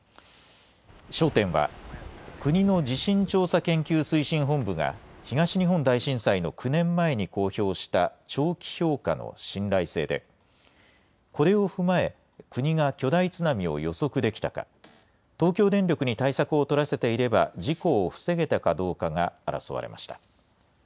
焦点は、国の地震調査研究推進本部が東日本大震災の９年前に公表した、長期評価の信頼性で、これを踏まえ、国が巨大津波を予測できたか、東京電力に対策を取らせていれば事故を防げたかどうかが争われました。